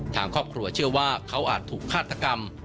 ทางครอบครัวเชื่อว่าเขาอาจถูกฆาตกรรม